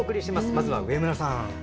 まずは上村さん。